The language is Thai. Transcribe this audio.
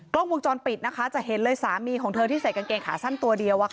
กล้องวงจรปิดนะคะจะเห็นเลยสามีของเธอที่ใส่กางเกงขาสั้นตัวเดียว